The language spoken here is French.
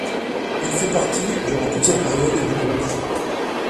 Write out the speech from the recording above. Il fait partie, durant toute cette période, du groupe.